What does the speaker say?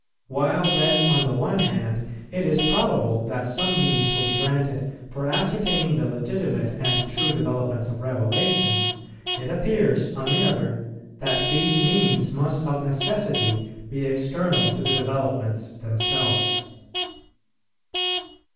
While, then, on the one hand, it is probable that some means will be granted for ascertaining the legitimate and true developments of Revelation, it appears, on the other, that these means must of necessity be external to the developments themselves.